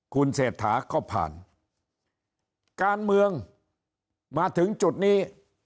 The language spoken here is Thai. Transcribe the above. คุณเศรษฐาก็ผ่านการเมืองมาถึงจุดนี้